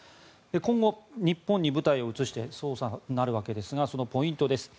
今後、日本に舞台を移して捜査になるわけですがそのポイントです。